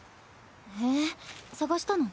へえ探したの。